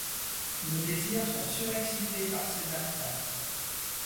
Nos désirs sont surexcités par ces apprêts.